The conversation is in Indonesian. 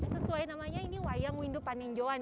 sesuai namanya ini wayang windu panenjoan